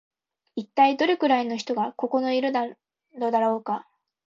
一体どれくらいの人がここのいるのだろうか